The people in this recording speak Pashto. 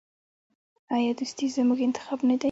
آیا دوستي زموږ انتخاب نه دی؟